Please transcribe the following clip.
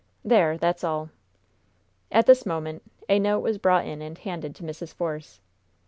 There, that's all!" At this moment a note was brought in and handed to Mrs. Force.